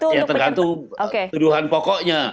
ya tergantung tuduhan pokoknya